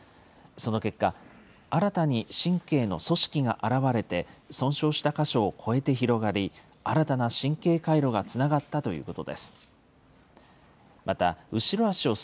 その結果、新たに神経の組織が現れて、損傷した箇所を超えて広がり、新たな神経回路がつながったということです。